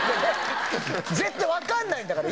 絶対わかんないんだから。